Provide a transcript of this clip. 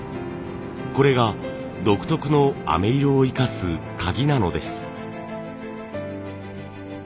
これが独特のあめ色を生かすカギなのです。